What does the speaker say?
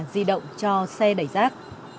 di động cho xe đẩy rác